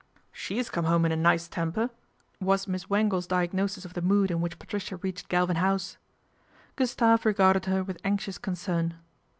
" She's come home in a nice temper 1 " was Miss 2QO PATRICIA BRENT, SPINSTER Wangle's diagnosis of the mood in which Patricia reached Galvin House. Gustave regarded her with anxious concern.